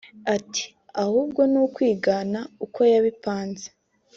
Ati “Ahubwo ni ukwigana uko yabipanze